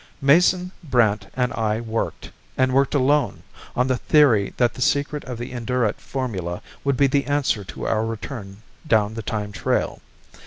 Mason, Brandt, and I worked, and worked alone, on the theory that the secret of the Indurate formula would be the answer to our return down the time trail.